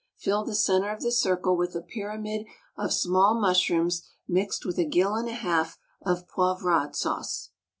Fill the centre of the circle with a pyramid of small mushrooms mixed with a gill and a half of poivrade sauce.